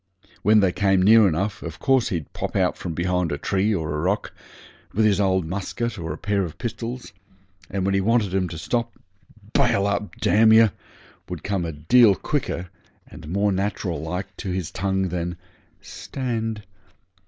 When they came near enough of course he'd pop out from behind a tree in a rock, with his old musket or a pair of pistols, and when he wanted 'em to stop 'Bail up, d yer,' would come a deal quicker and more natural like to his tongue than 'Stand.'